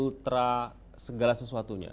ultra segala sesuatunya